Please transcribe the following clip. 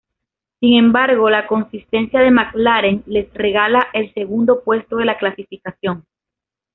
Sin embargo, la consistencia de McLaren les relega al segundo puesto de la clasificación.